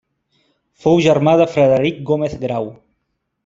Fou germà de Frederic Gómez Grau.